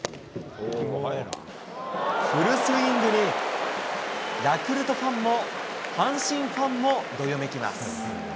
フルスイングに、ヤクルトファンも、阪神ファンもどよめきます。